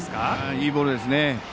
いいボールですね。